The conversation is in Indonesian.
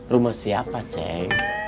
rumah siapa cik